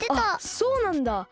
あっそうなんだ。